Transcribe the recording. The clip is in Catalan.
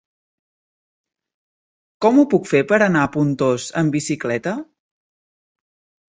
Com ho puc fer per anar a Pontós amb bicicleta?